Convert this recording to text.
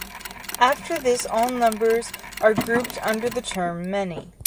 After this all numbers are grouped under the term 'many.